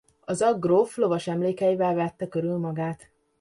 Az agg gróf lovas emlékeivel vette körül magát.